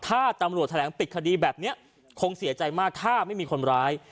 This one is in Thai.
ถ้าตำรวจแถลงปิดคดีแบบนี้คงเสียใจมากถ้าไม่มีคนร้าย